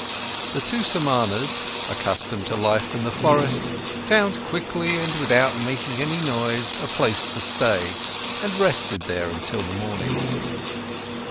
The two Samanas, accustomed to life in the forest, found quickly and without making any noise a place to stay and rested there until the morning.